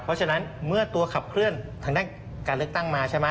เพราะฉะนั้นเมื่อตัวขับเคลื่อนทางด้านการเลือกตั้งมาใช่ไหม